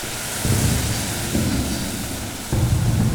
Dɣa, isemma-yas Isṛayil.